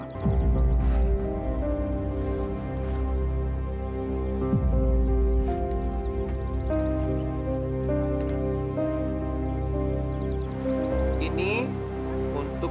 aku continuan cinta mereka